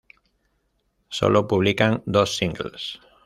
Sólo publican dos singles.